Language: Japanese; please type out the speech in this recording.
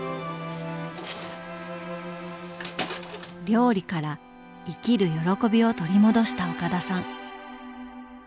料理から生きる喜びを取り戻した岡田さん。